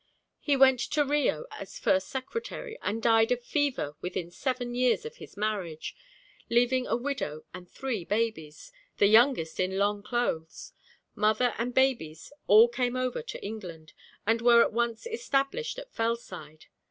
He went to Rio as first secretary, and died of fever within seven years of his marriage, leaving a widow and three babies, the youngest in long clothes. Mother and babies all came over to England, and were at once established at Fellside.